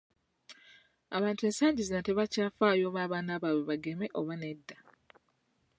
Abantu ensangi zino tebakyafaayo oba abaana baabwe bageme oba nedda.